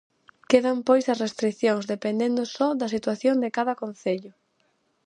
Quedan pois as restricións dependendo só da situación de cada concello.